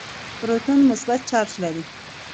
پروټون مثبت چارج لري.